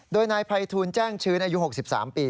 โดยนายภัยทูลแจ้งชื้นอายุ๖๓ปี